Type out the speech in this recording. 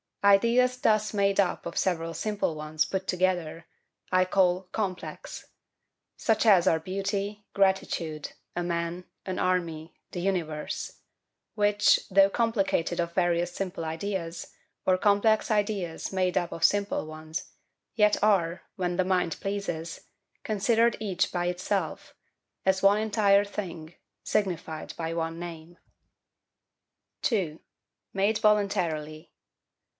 Ideas thus made up of several simple ones put together, I call COMPLEX;—such as are beauty, gratitude, a man, an army, the universe; which, though complicated of various simple ideas, or complex ideas made up of simple ones, yet are, when the mind pleases, considered each by itself, as one entire thing, signified by one name. 2. Made voluntarily.